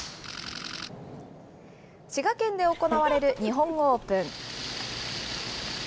滋賀県で行われる日本オープン。